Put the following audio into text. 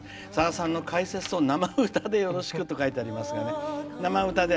さださんの解説を生歌でよろしく」と書いてありますが。